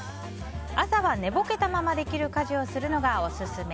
朝は寝ぼけたままできる家事をするのがオススメ。